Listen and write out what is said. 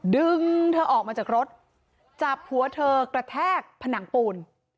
ดึงเธอออกมาจากรถจับหัวเธอกระแทกผนังปูน